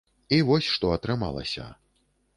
І вось што атрымалася.